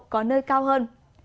có nơi cao hơn